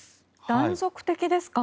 断続的ですか？